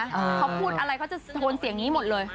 เขาพูดอะไรเขาจะโทนเสียงนี้หมดเลย